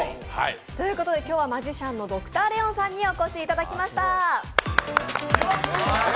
今日はマジシャンのＤｒ．レオンさんにお越しいただきました。